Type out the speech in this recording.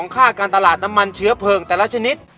ค่าการตลาดน้ำมันเชื้อเพลิงแต่ละชนิด